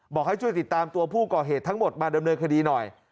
บอกให้ช่วยติดตามตัวผู้ก่อเหตุทั้งหมดมาดำเนินคดีหน่อย